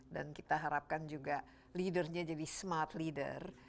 dan kita harapkan juga leadernya jadi smart leader